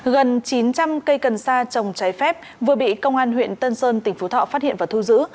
gần chín trăm linh cây cần sa trồng trái phép vừa bị công an huyện tân sơn tỉnh phú thọ phát hiện và thu giữ